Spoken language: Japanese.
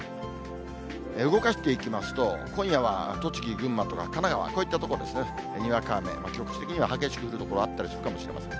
動かしていきますと、今夜は栃木、群馬とか神奈川、こういった所ですね、にわか雨、局地的には激しく降る所あるかもしれません。